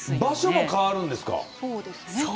場所も変わるんですか？